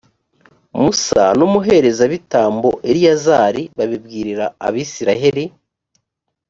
musa n’umuherezabitambo eleyazari babibwirira abayisraheli.